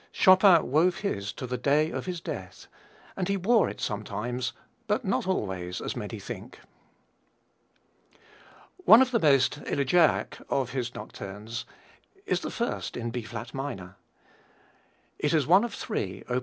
Chopin wove his to the day of his death, and he wore it sometimes but not always, as many think. One of the most elegiac of his nocturnes is the first in B flat minor. It is one of three, op.